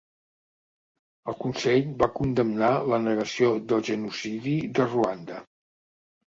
El Consell va condemnar la negació del genocidi de Ruanda.